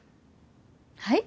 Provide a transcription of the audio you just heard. はい？